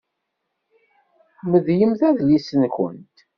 Medlemt adlis-nkent.